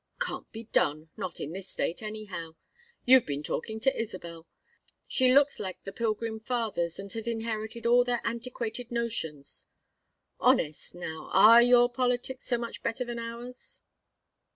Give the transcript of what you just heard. "Can't be done. Not in this State, anyhow. You've been talking to Isabel. She looks like the Pilgrim Fathers and has inherited all their antiquated notions. Honest, now are your politics so much better than ours?"